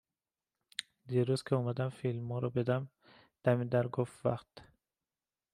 دیروز که اومدم فیلما رو بدم، دم در گفت وقت